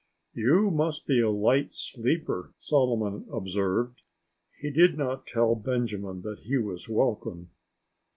"You must be a light sleeper," Solomon observed. (He did not tell Benjamin that he was welcome!)